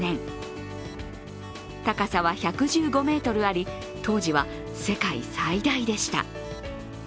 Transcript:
高さは１１５ｍあり、当時は世界最大でした。